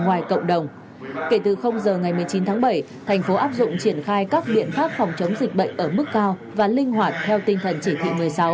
ngoài cộng đồng kể từ giờ ngày một mươi chín tháng bảy thành phố áp dụng triển khai các biện pháp phòng chống dịch bệnh ở mức cao và linh hoạt theo tinh thần chỉ thị một mươi sáu